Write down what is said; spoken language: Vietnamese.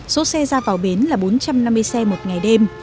số xe ra vào bến là bốn trăm năm mươi xe một ngày đêm